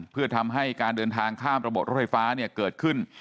เพื่อทำให้การเดินทางข้ามระบบรถไฟฟ้าเนี่ยเกิดขึ้น